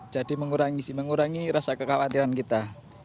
jadi mengurangi rasa kekhawatiran kita